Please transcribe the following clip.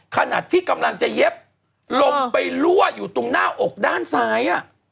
ขนาดที่กำลังจะเย็บลงไปรั่วอยู่ตรงหน้าอกด้านซ้าย